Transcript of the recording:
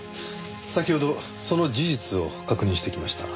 先ほどその事実を確認してきました。